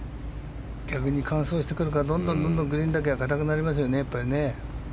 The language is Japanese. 逆に乾燥してくるからどんどんグリーンだけが硬くなりますよね。